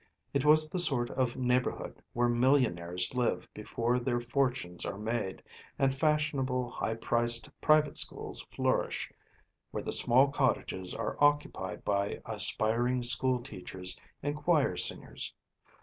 It was the sort of neighbourhood where millionaires live before their fortunes are made and fashionable, high priced private schools flourish, where the small cottages are occupied by aspiring school teachers and choir singers.